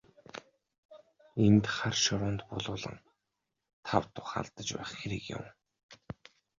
Энд хар шороонд булуулан тав тух алдаж байх хэрэг юун.